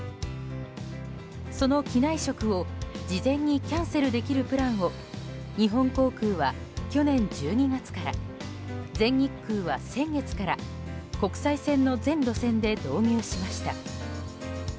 その機内食を事前にキャンセルできるプランを日本航空は去年１２月から全日空は先月から国際線の全路線で導入しました。